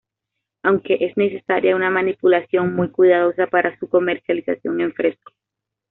Aunque, es necesaria una manipulación muy cuidadosa para su comercialización en fresco.